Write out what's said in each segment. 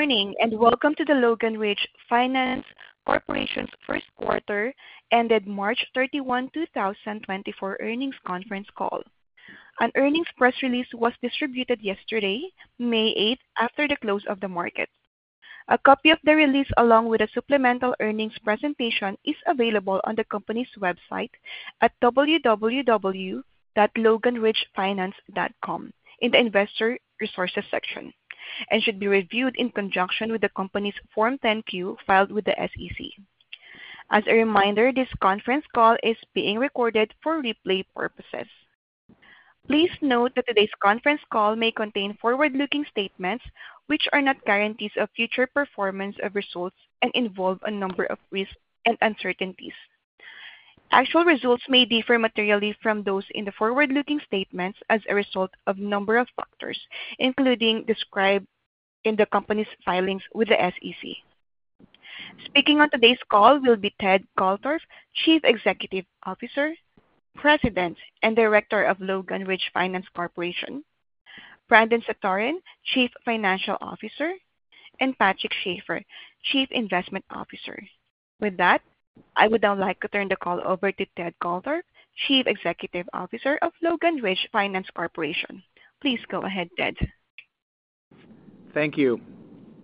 Morning and welcome to the Logan Ridge Finance Corporation's first quarter-ended March 31, 2024 earnings conference call. An earnings press release was distributed yesterday, May 8, after the close of the markets. A copy of the release along with a supplemental earnings presentation is available on the company's website at www.loganridgefinance.com in the Investor Resources section, and should be reviewed in conjunction with the company's Form 10-Q filed with the SEC. As a reminder, this conference call is being recorded for replay purposes. Please note that today's conference call may contain forward-looking statements which are not guarantees of future performance of results and involve a number of risks and uncertainties. Actual results may differ materially from those in the forward-looking statements as a result of a number of factors including described in the company's filings with the SEC. Speaking on today's call will be Ted Goldthorpe, Chief Executive Officer, President and Director of Logan Ridge Finance Corporation, Brandon Satoren, Chief Financial Officer, and Patrick Schafer, Chief Investment Officer. With that, I would now like to turn the call over to Ted Goldthorpe, Chief Executive Officer of Logan Ridge Finance Corporation. Please go ahead, Ted. Thank you.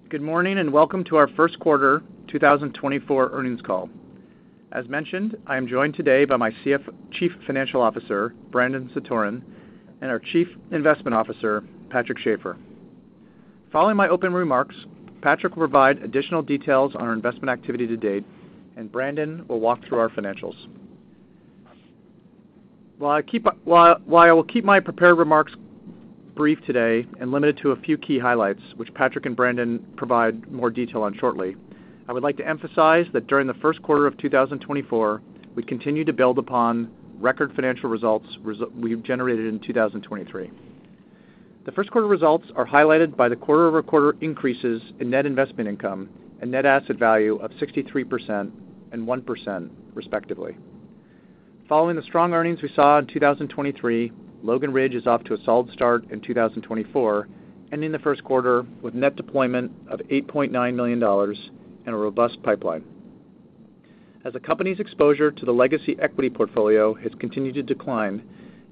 Good morning and welcome to our first quarter 2024 earnings call. As mentioned, I am joined today by my Chief Financial Officer, Brandon Satoren, and our Chief Investment Officer, Patrick Schafer. Following my opening remarks, Patrick will provide additional details on our investment activity to date, and Brandon will walk through our financials. While I will keep my prepared remarks brief today and limited to a few key highlights which Patrick and Brandon provide more detail on shortly, I would like to emphasize that during the first quarter of 2024 we continue to build upon record financial results we generated in 2023. The first quarter results are highlighted by the quarter-over-quarter increases in net investment income and net asset value of 63% and 1%, respectively. Following the strong earnings we saw in 2023, Logan Ridge is off to a solid start in 2024, ending the first quarter with net deployment of $8.9 million and a robust pipeline. As the company's exposure to the legacy equity portfolio has continued to decline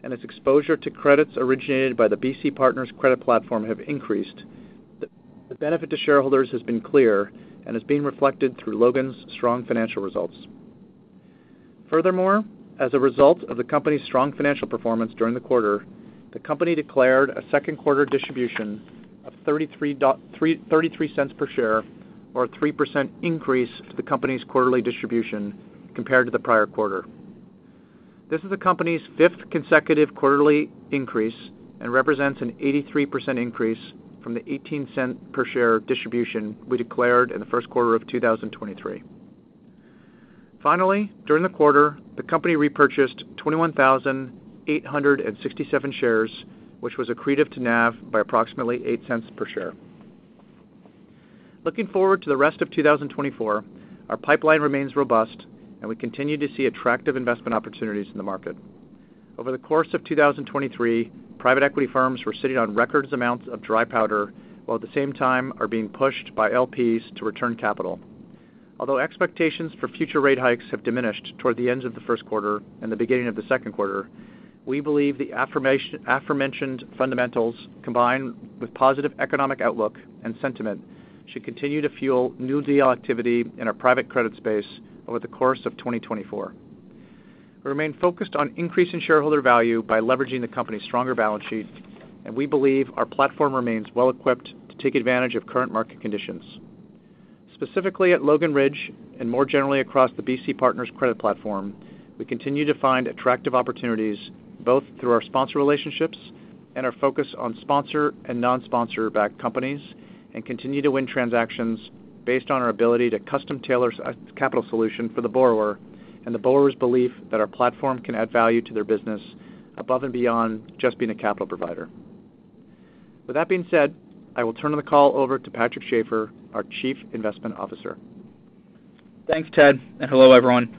and its exposure to credits originated by the BC Partners Credit Platform have increased, the benefit to shareholders has been clear and is being reflected through Logan's strong financial results. Furthermore, as a result of the company's strong financial performance during the quarter, the company declared a second quarter distribution of $0.33 per share or a 3% increase to the company's quarterly distribution compared to the prior quarter. This is the company's fifth consecutive quarterly increase and represents an 83% increase from the $0.18 per share distribution we declared in the first quarter of 2023. Finally, during the quarter, the company repurchased 21,867 shares which was accretive to NAV by approximately $0.08 per share. Looking forward to the rest of 2024, our pipeline remains robust and we continue to see attractive investment opportunities in the market. Over the course of 2023, private equity firms were sitting on record amounts of dry powder while at the same time are being pushed by LPs to return capital. Although expectations for future rate hikes have diminished toward the end of the first quarter and the beginning of the second quarter, we believe the aforementioned fundamentals combined with positive economic outlook and sentiment should continue to fuel new deal activity in our private credit space over the course of 2024. We remain focused on increasing shareholder value by leveraging the company's stronger balance sheet, and we believe our platform remains well-equipped to take advantage of current market conditions. Specifically at Logan Ridge and more generally across the BC Partners Credit Platform, we continue to find attractive opportunities both through our sponsor relationships and our focus on sponsor and non-sponsor-backed companies and continue to win transactions based on our ability to custom tailor a capital solution for the borrower and the borrower's belief that our platform can add value to their business above and beyond just being a capital provider. With that being said, I will turn the call over to Patrick Schafer, our Chief Investment Officer. Thanks, Ted, and hello everyone.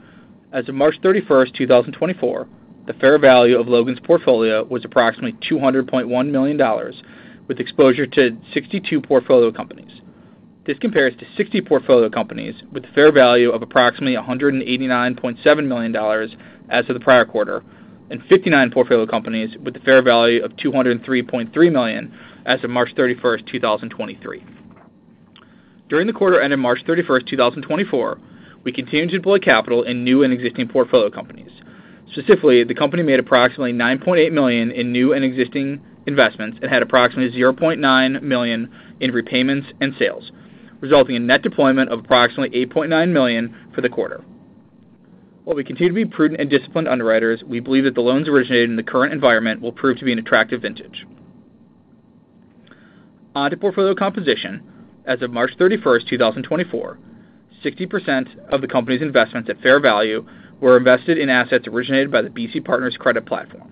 As of March 31, 2024, the fair value of Logan's portfolio was approximately $200.1 million with exposure to 62 portfolio companies. This compares to 60 portfolio companies with a fair value of approximately $189.7 million as of the prior quarter and 59 portfolio companies with a fair value of $203.3 million as of March 31, 2023. During the quarter ended March 31, 2024, we continued to deploy capital in new and existing portfolio companies. Specifically, the company made approximately $9.8 million in new and existing investments and had approximately $0.9 million in repayments and sales, resulting in net deployment of approximately $8.9 million for the quarter. While we continue to be prudent and disciplined underwriters, we believe that the loans originated in the current environment will prove to be an attractive vintage. Onto portfolio composition. As of March 31, 2024, 60% of the company's investments at fair value were invested in assets originated by the BC Partners Credit Platform.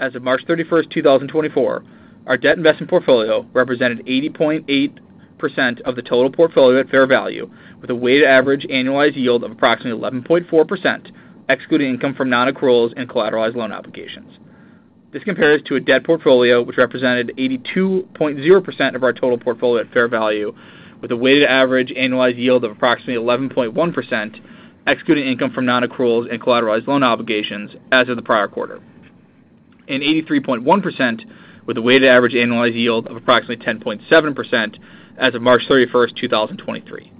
As of March 31, 2024, our debt investment portfolio represented 80.8% of the total portfolio at fair value with a weighted average annualized yield of approximately 11.4% excluding income from non-accruals and collateralized loan obligations. This compares to a debt portfolio which represented 82.0% of our total portfolio at fair value with a weighted average annualized yield of approximately 11.1% excluding income from non-accruals and collateralized loan obligations as of the prior quarter and 83.1% with a weighted average annualized yield of approximately 10.7% as of March 31, 2023.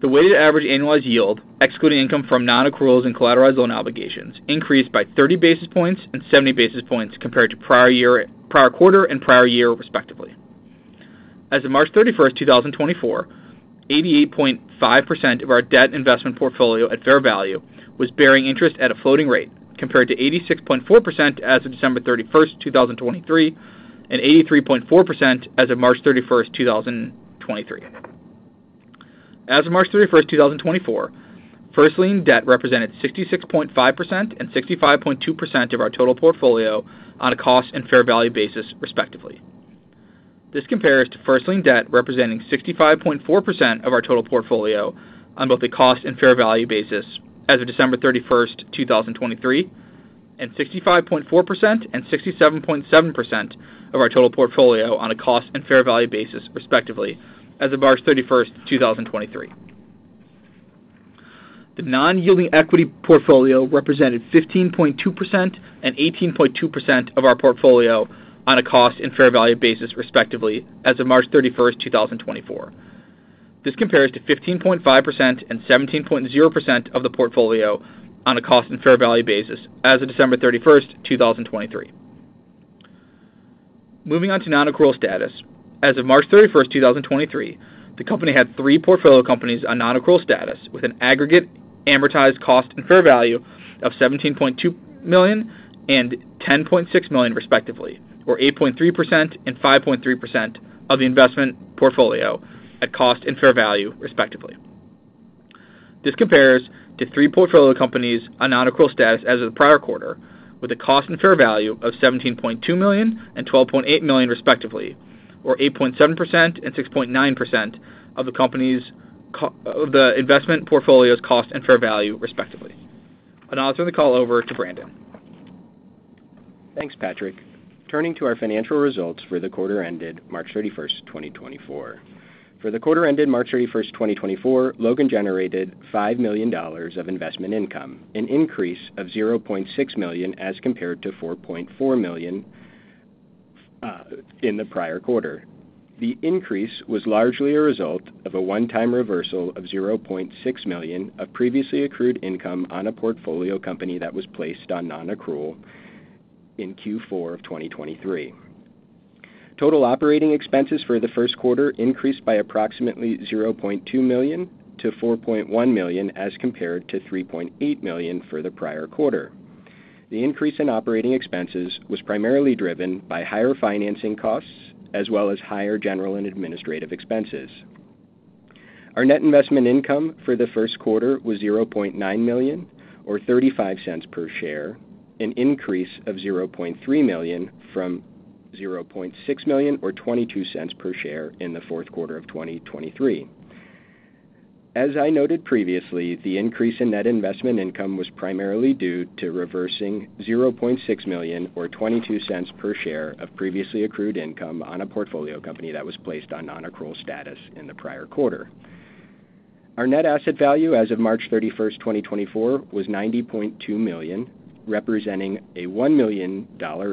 The weighted average annualized yield excluding income from non-accruals and collateralized loan obligations increased by 30 basis points and 70 basis points compared to prior quarter and prior year, respectively. As of March 31, 2024, 88.5% of our debt investment portfolio at fair value was bearing interest at a floating rate compared to 86.4% as of December 31, 2023 and 83.4% as of March 31, 2023. As of March 31, 2024, first-lien debt represented 66.5% and 65.2% of our total portfolio on a cost and fair value basis, respectively. This compares to first-lien debt representing 65.4% of our total portfolio on both a cost and fair value basis as of December 31, 2023 and 65.4% and 67.7% of our total portfolio on a cost and fair value basis, respectively, as of March 31, 2023. The non-yielding equity portfolio represented 15.2% and 18.2% of our portfolio on a cost and fair value basis, respectively, as of March 31, 2024. This compares to 15.5% and 17.0% of the portfolio on a cost and fair value basis as of December 31, 2023. Moving on to non-accrual status. As of March 31, 2023, the company had three portfolio companies on non-accrual status with an aggregate amortized cost and fair value of $17.2 million and $10.6 million, respectively, or 8.3% and 5.3% of the investment portfolio at cost and fair value, respectively. This compares to three portfolio companies on non-accrual status as of the prior quarter with a cost and fair value of $17.2 million and $12.8 million, respectively, or 8.7% and 6.9% of the investment portfolio's cost and fair value, respectively. I'll now turn the call over to Brandon. Thanks, Patrick. Turning to our financial results for the quarter ended March 31, 2024. For the quarter ended March 31, 2024, Logan generated $5 million of investment income, an increase of $0.6 million as compared to $4.4 million in the prior quarter. The increase was largely a result of a one-time reversal of $0.6 million of previously accrued income on a portfolio company that was placed on non-accrual in Q4 of 2023. Total operating expenses for the first quarter increased by approximately $0.2 million to $4.1 million as compared to $3.8 million for the prior quarter. The increase in operating expenses was primarily driven by higher financing costs as well as higher general and administrative expenses. Our net investment income for the first quarter was $0.9 million or $0.35 per share, an increase of $0.3 million from $0.6 million or $0.22 per share in the fourth quarter of 2023. As I noted previously, the increase in net investment income was primarily due to reversing $0.6 million or $0.22 per share of previously accrued income on a portfolio company that was placed on non-accrual status in the prior quarter. Our net asset value as of March 31, 2024, was $90.2 million, representing a $1 million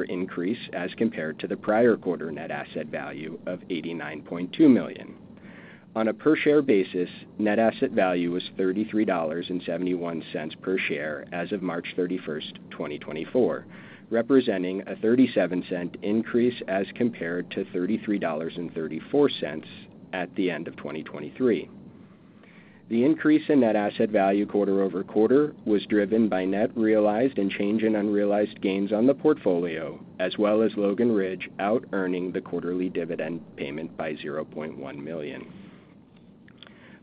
increase as compared to the prior quarter net asset value of $89.2 million. On a per-share basis, net asset value was $33.71 per share as of March 31, 2024, representing a $0.37 increase as compared to $33.34 at the end of 2023. The increase in Net Asset Value quarter-over-quarter was driven by net realized and change in unrealized gains on the portfolio as well as Logan Ridge out-earning the quarterly dividend payment by $0.1 million.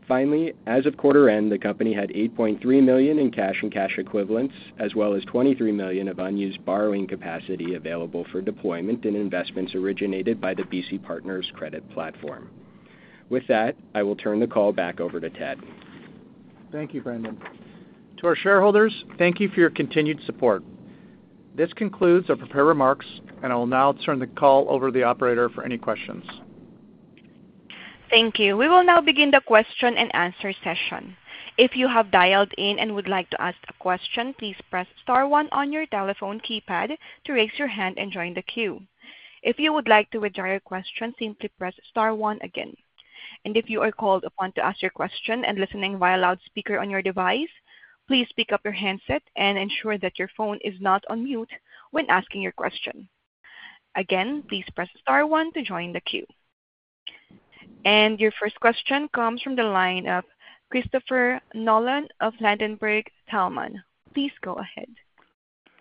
Finally, as of quarter end, the company had $8.3 million in cash and cash equivalents as well as $23 million of unused borrowing capacity available for deployment in investments originated by the BC Partners Credit Platform. With that, I will turn the call back over to Ted. Thank you, Brandon. To our shareholders, thank you for your continued support. This concludes our prepared remarks, and I will now turn the call over to the operator for any questions. Thank you. We will now begin the question and answer session. If you have dialed in and would like to ask a question, please press star one on your telephone keypad to raise your hand and join the queue. If you would like to withdraw your question, simply press star one again. And if you are called upon to ask your question and listening via loudspeaker on your device, please pick up your handset and ensure that your phone is not on mute when asking your question. Again, please press star one to join the queue. And your first question comes from the line of Christopher Nolan of Ladenburg Thalmann. Please go ahead.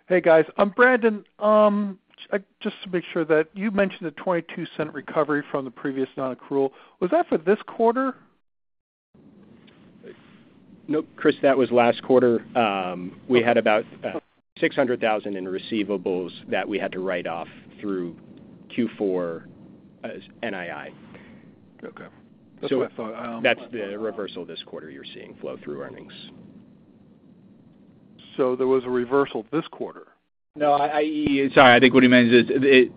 Hey guys, I'm Brandon. Just to make sure that you mentioned the $0.22 recovery from the previous non-accrual, was that for this quarter? Nope, Chris, that was last quarter. We had about $600,000 in receivables that we had to write off through Q4 NII. Okay. That's what I thought. That's the reversal this quarter you're seeing flow through earnings. There was a reversal this quarter? No, I mean, sorry, I think what he means is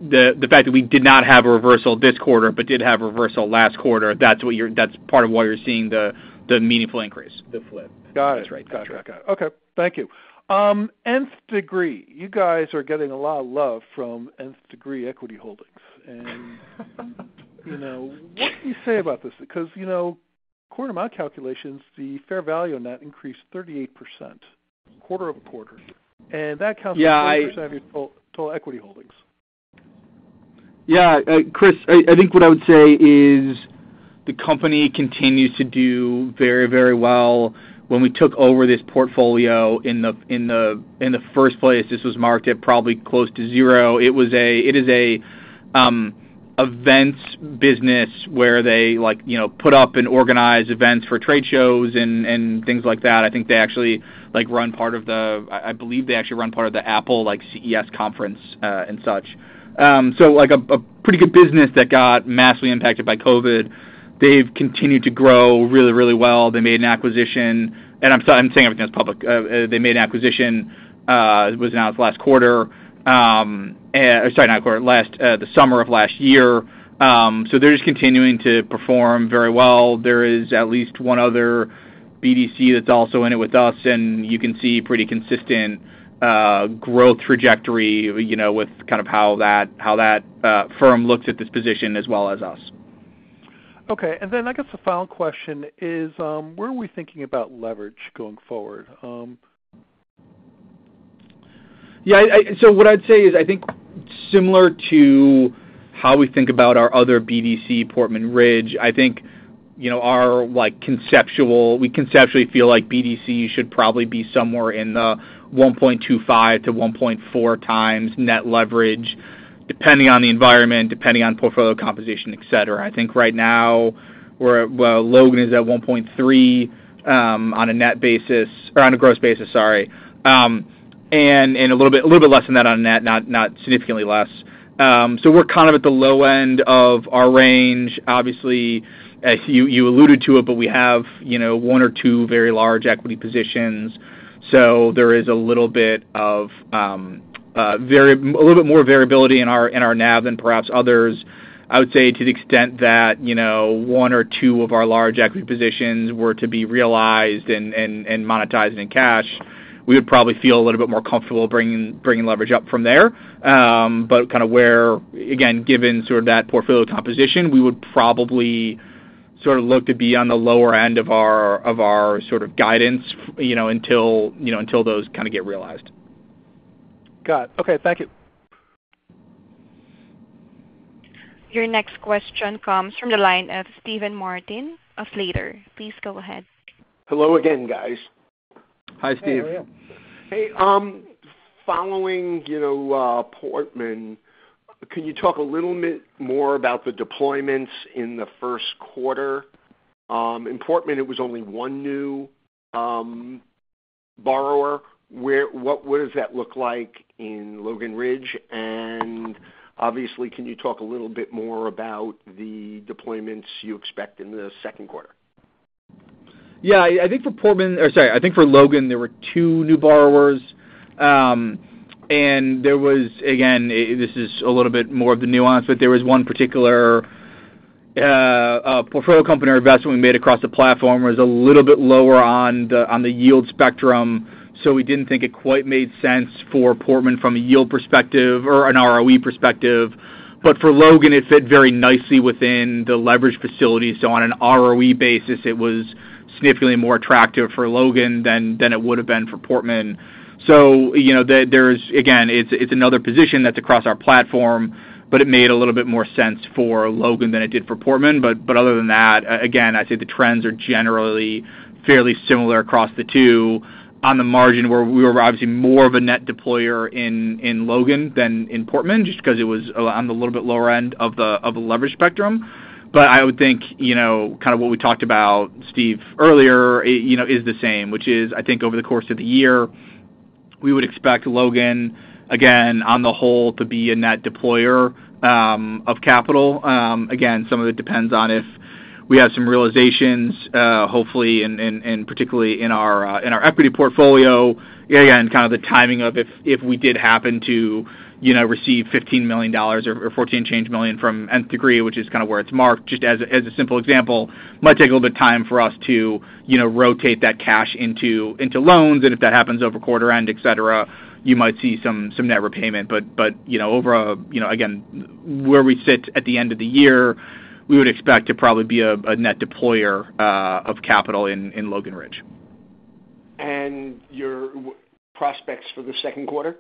the fact that we did not have a reversal this quarter but did have a reversal last quarter. That's part of why you're seeing the meaningful increase. The flip. Got it. That's right. That's right. Got it. Okay. Thank you. Nth Degree, you guys are getting a lot of love from Nth Degree Equity Holdings. What can you say about this? Because according to my calculations, the fair value net increased 38% quarter-over-quarter, and that counts as 20% of your total equity holdings. Yeah, Chris, I think what I would say is the company continues to do very, very well. When we took over this portfolio in the first place, this was marked at probably close to zero. It is an events business where they put up and organize events for trade shows and things like that. I think they actually run part of the—I believe they actually run part of the Apple CES conference and such. So a pretty good business that got massively impacted by COVID. They've continued to grow really, really well. They made an acquisition and I'm saying everything that's public. They made an acquisition. It was announced last quarter. Sorry, not quarter, last summer of last year. So they're just continuing to perform very well. There is at least one other BDC that's also in it with us, and you can see pretty consistent growth trajectory with kind of how that firm looks at this position as well as us. Okay. And then I guess the final question is, where are we thinking about leverage going forward? Yeah. So what I'd say is I think similar to how we think about our other BDC, Portman Ridge, I think we conceptually feel like BDC should probably be somewhere in the 1.25-1.4x net leverage, depending on the environment, depending on portfolio composition, etc. I think right now, Logan is at 1.3 on a net basis or on a gross basis, sorry, and a little bit less than that on a net, not significantly less. So we're kind of at the low end of our range. Obviously, you alluded to it, but we have one or two very large equity positions. So there is a little bit more variability in our NAV than perhaps others. I would say to the extent that one or two of our large equity positions were to be realized and monetized in cash, we would probably feel a little bit more comfortable bringing leverage up from there. But kind of where, again, given sort of that portfolio composition, we would probably sort of look to be on the lower end of our sort of guidance until those kind of get realized. Got it. Okay. Thank you. Your next question comes from the line of Steven Martin of Slater. Please go ahead. Hello again, guys. Hi, Steve. Hey, how are you? Hey. Following Portman, can you talk a little bit more about the deployments in the first quarter? In Portman, it was only 1 new borrower. What does that look like in Logan Ridge? And obviously, can you talk a little bit more about the deployments you expect in the second quarter? Yeah. I think for Portman or sorry, I think for Logan, there were 2 new borrowers. And there was again, this is a little bit more of the nuance, but there was 1 particular portfolio company or investment we made across the platform was a little bit lower on the yield spectrum. So we didn't think it quite made sense for Portman from a yield perspective or an ROE perspective. But for Logan, it fit very nicely within the leverage facility. So on an ROE basis, it was significantly more attractive for Logan than it would have been for Portman. So again, it's another position that's across our platform, but it made a little bit more sense for Logan than it did for Portman. But other than that, again, I'd say the trends are generally fairly similar across the two. On the margin, we were obviously more of a net deployer in Logan than in Portman just because it was on the little bit lower end of the leverage spectrum. But I would think kind of what we talked about, Steve, earlier is the same, which is I think over the course of the year, we would expect Logan, again, on the whole, to be a net deployer of capital. Again, some of it depends on if we have some realizations, hopefully, and particularly in our equity portfolio. Again, kind of the timing of if we did happen to receive $15 million or $14-and-change million from Nth Degree, which is kind of where it's marked, just as a simple example, might take a little bit of time for us to rotate that cash into loans. And if that happens over quarter end, etc., you might see some net repayment. But over, again, where we sit at the end of the year, we would expect to probably be a net deployer of capital in Logan Ridge. Your prospects for the second quarter?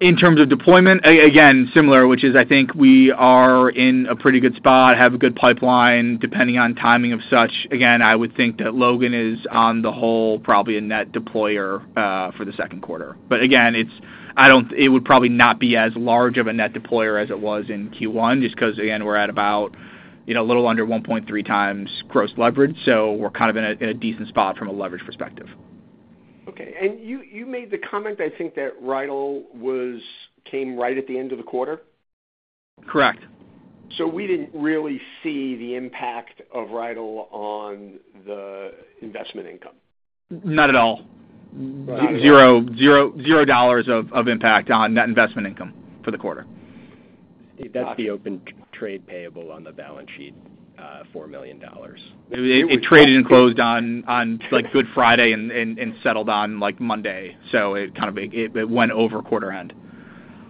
In terms of deployment. Again, similar, which is, I think, we are in a pretty good spot, have a good pipeline, depending on timing of such. Again, I would think that Logan is on the whole probably a net deployer for the second quarter. But again, it would probably not be as large of a net deployer as it was in Q1 just because, again, we're at about a little under 1.3x gross leverage. So we're kind of in a decent spot from a leverage perspective. Okay. And you made the comment, I think, that Riddell came right at the end of the quarter? Correct. So we didn't really see the impact of Riddell on the investment income? Not at all. $0 of impact on net investment income for the quarter. That's the open trade payable on the balance sheet, $4 million. It traded and closed on Good Friday and settled on Monday. So it kind of went over quarter end.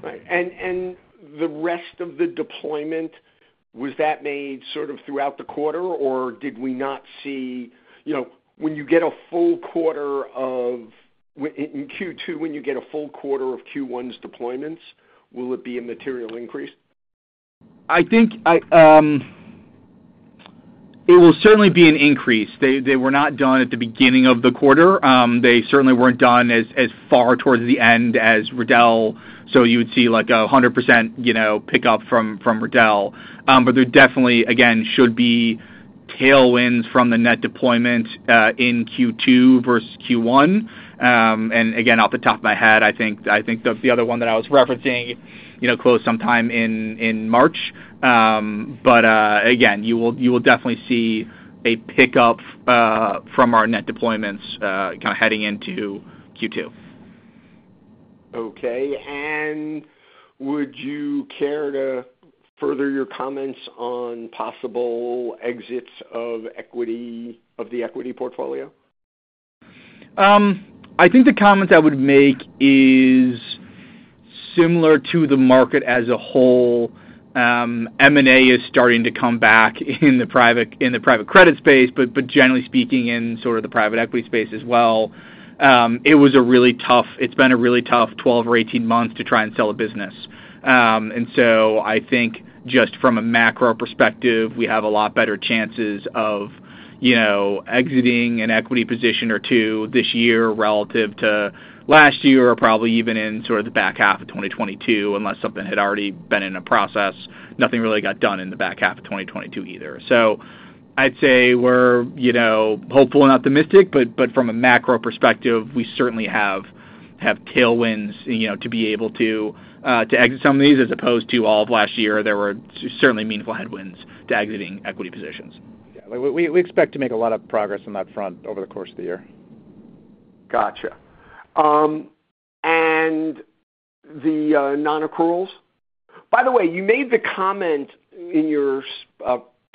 Right. And the rest of the deployment, was that made sort of throughout the quarter, or did we not see when you get a full quarter of in Q2, when you get a full quarter of Q1's deployments, will it be a material increase? I think it will certainly be an increase. They were not done at the beginning of the quarter. They certainly weren't done as far towards the end as Riddell. So you would see a 100% pickup from Riddell. But there definitely, again, should be tailwinds from the net deployment in Q2 versus Q1. And again, off the top of my head, I think the other one that I was referencing closed sometime in March. But again, you will definitely see a pickup from our net deployments kind of heading into Q2. Okay. And would you care to further your comments on possible exits of the equity portfolio? I think the comments I would make is similar to the market as a whole. M&A is starting to come back in the private credit space, but generally speaking, in sort of the private equity space as well. It's been a really tough 12 or 18 months to try and sell a business. And so I think just from a macro perspective, we have a lot better chances of exiting an equity position or two this year relative to last year or probably even in sort of the back half of 2022 unless something had already been in a process. Nothing really got done in the back half of 2022 either. So I'd say we're hopeful and optimistic, but from a macro perspective, we certainly have tailwinds to be able to exit some of these as opposed to all of last year. There were certainly meaningful headwinds to exiting equity positions. Yeah. We expect to make a lot of progress on that front over the course of the year. Gotcha. And the non-accruals? By the way, you made the comment in your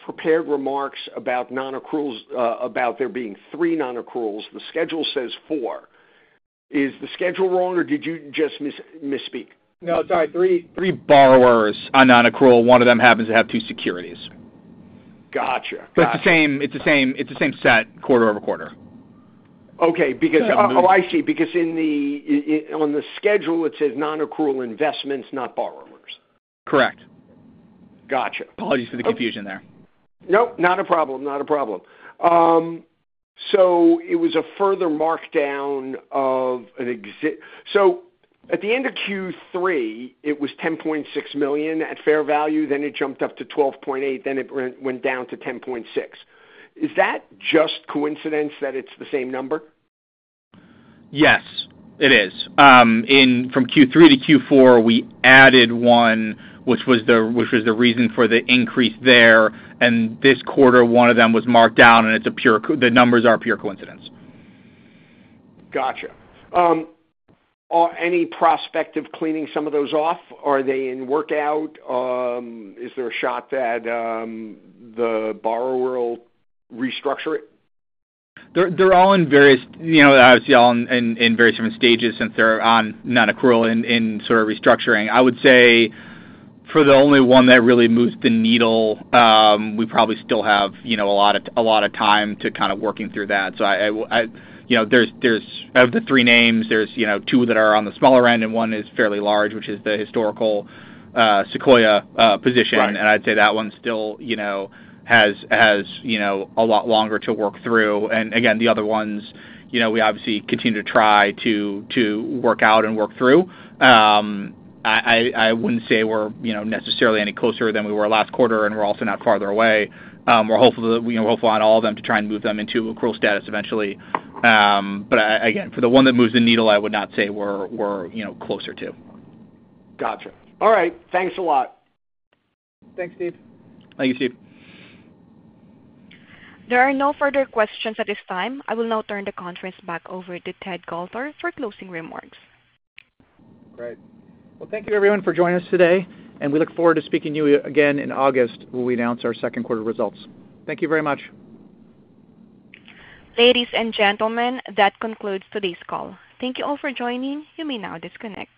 prepared remarks about non-accruals, about there being 3 non-accruals. The schedule says 4. Is the schedule wrong, or did you just misspeak? No, sorry. 3 borrowers on non-accrual. 1 of them happens to have 2 securities. Gotcha. Gotcha. But it's the same set quarter-over-quarter. Okay. Because I'm moving. Oh, I see. Because on the schedule, it says non-accrual investments, not borrowers. Correct. Apologies for the confusion there. Nope. Not a problem. Not a problem. So it was a further markdown of an exit so at the end of Q3, it was $10.6 million at fair value. Then it jumped up to $12.8. Then it went down to $10.6. Is that just coincidence that it's the same number? Yes, it is. From Q3 to Q4, we added one, which was the reason for the increase there. And this quarter, one of them was marked down, and the numbers are pure coincidence. Gotcha. Any prospect of cleaning some of those off? Are they in workout? Is there a shot that the borrower will restructure it? They're all in various different stages, obviously, since they're on non-accrual in sort of restructuring. I would say for the only one that really moves the needle, we probably still have a lot of time to kind of working through that. So out of the three names, there's two that are on the smaller end, and one is fairly large, which is the historical Sequel position. And I'd say that one still has a lot longer to work through. And again, the other ones, we obviously continue to try to work out and work through. I wouldn't say we're necessarily any closer than we were last quarter, and we're also not farther away. We're hopeful on all of them to try and move them into accrual status eventually. But again, for the one that moves the needle, I would not say we're closer to. Gotcha. All right. Thanks a lot. Thanks, Steve. Thank you. There are no further questions at this time. I will now turn the conference back over to Ted Goldthorpe for closing remarks. Great. Well, thank you, everyone, for joining us today. We look forward to speaking to you again in August when we announce our second quarter results. Thank you very much. Ladies and gentlemen, that concludes today's call. Thank you all for joining. You may now disconnect.